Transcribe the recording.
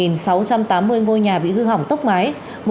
một sáu trăm tám mươi ngôi nhà bị hư hỏng tốc mái